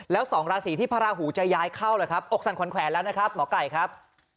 แล้วสองราศีที่พระราหูจะย้ายเข้าล่ะครับอกสั่นขวัญแขวนแล้วนะครับหมอไก่ครับ